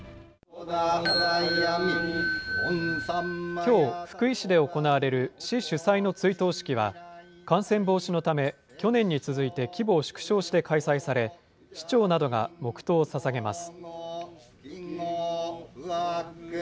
きょう、福井市で行われる市主催の追悼式では、感染防止のため、去年に続いて規模を縮小して開催され、市長などが黙とうをささげます。